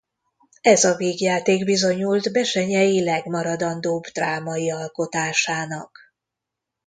Ez a vígjáték bizonyult Bessenyei legmaradandóbb drámai alkotásának.